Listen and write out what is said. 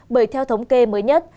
bởi theo thống kê mới nhất